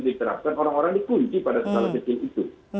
diterapkan orang orang dikunci pada skala kecil itu